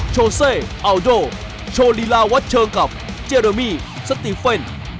โชเซ่อัลโดโชว์ลีลาวัดเชิงกับเจรามีสติเฟน